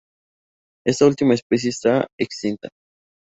Esta última especie está extinta.